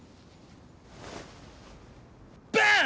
バン！